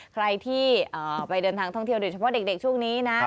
ใครที่ไปเดินทางท่องเที่ยวโดยเฉพาะเด็กช่วงนี้นะ